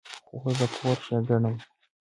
خور د کور ښېګڼه ده.